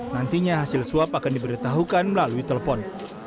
nantinya hasil swab akan diberitahukan melalui telepon